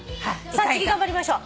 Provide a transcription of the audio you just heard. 次頑張りましょう。